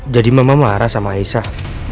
jadi mama marah sama aisyah